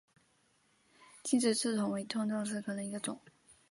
劲直刺桐为豆科刺桐属下的一个种。